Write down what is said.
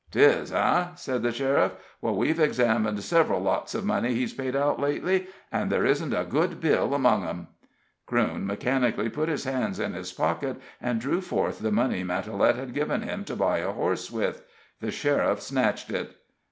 "'Tis, eh?" said the sheriff. "Well, we've examined several lots of money he's paid out lately, and there isn't a good bill among 'em." Crewne mechanically put his hands in his pocket and drew forth the money Matalette had given him to buy a horse with. The sheriff snatched it.